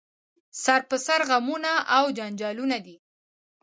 سر په سر غمونه او جنجالونه دي